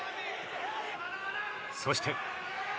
そして。